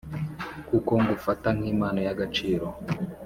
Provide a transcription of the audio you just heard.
kuko ngufata nkimpano yagaciro."